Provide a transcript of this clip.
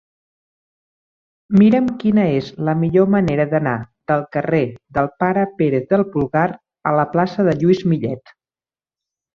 Mira'm quina és la millor manera d'anar del carrer del Pare Pérez del Pulgar a la plaça de Lluís Millet.